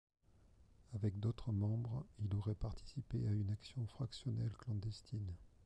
Avec d'autres membres, il aurait participé à une action fractionnelle clandestine.